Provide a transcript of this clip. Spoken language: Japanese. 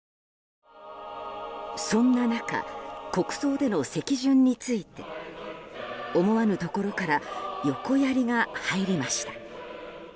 そんな中国葬での席順について思わぬところから横やりが入りました。